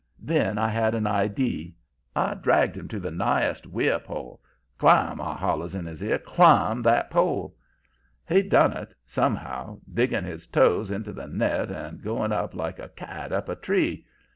Then I had an idee. I dragged him to the nighest weir pole. 'Climb!' I hollers in his ear. 'Climb that pole.' "He done it, somehow, digging his toes into the net and going up like a cat up a tree.